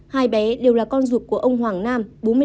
hai bé đều là con ruột của ông hoàng nam bốn mươi tuổi